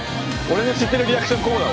俺の知ってるリアクションこうだわ。